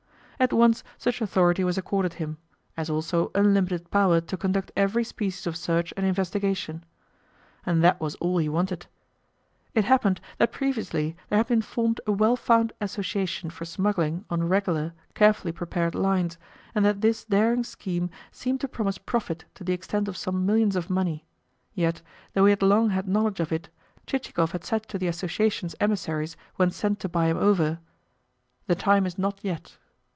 At once such authority was accorded him, as also unlimited power to conduct every species of search and investigation. And that was all he wanted. It happened that previously there had been formed a well found association for smuggling on regular, carefully prepared lines, and that this daring scheme seemed to promise profit to the extent of some millions of money: yet, though he had long had knowledge of it, Chichikov had said to the association's emissaries, when sent to buy him over, "The time is not yet."